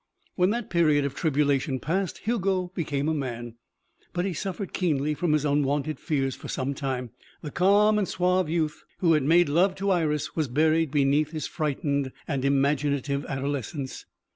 When that period of tribulation passed, Hugo became a man. But he suffered keenly from his unwonted fears for some time. The calm and suave youth who had made love to Iris was buried beneath his frightened and imaginative adolescence.